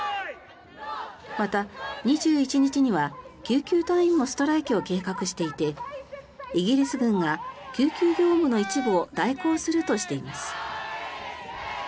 また、２１日には救急隊員もストライキを計画していてイギリス軍が救急業務の一部を代行するとしています。